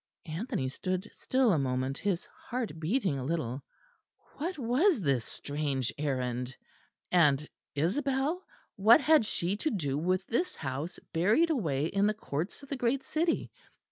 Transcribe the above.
Anthony stood still a moment, his heart beating a little. What was this strange errand? and Isabel! what had she to do with this house buried away in the courts of the great city?